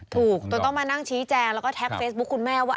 จนต้องมานั่งชี้แจงแล้วก็แท็กเฟซบุ๊คคุณแม่ว่า